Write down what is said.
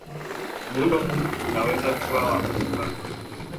muundo huu unaweza kuwa na manufaa